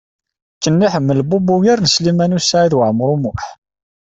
Ken iḥemmel Bob ugar n Sliman U Saɛid Waɛmaṛ U Muḥ.